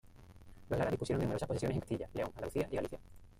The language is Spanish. Los Lara dispusieron de numerosas posesiones en Castilla, León, Andalucía y Galicia.